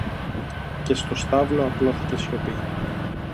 Και στο στάβλο απλώθηκε σιωπή